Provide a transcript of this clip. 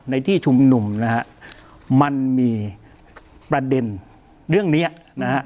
ในที่ชุมนุมนะฮะมันมีประเด็นเรื่องเนี้ยนะฮะ